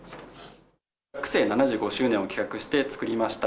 区政７５周年を企画して作りました